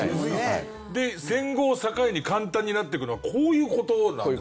戦後を境に簡単になっていくのはこういう事なんですか。